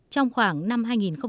trong khoảng năm hai nghìn một mươi một